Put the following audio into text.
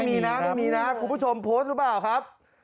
มีนะไม่มีนะคุณผู้ชมโพสต์หรือเปล่าครับ